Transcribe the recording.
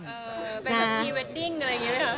เป็นแบบมีเวดดิ้งอะไรอย่างนี้ไหมครับ